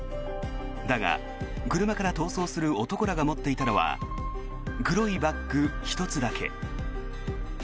だが、車から逃走する男らが持っていたのは黒いバッグ１つだけ。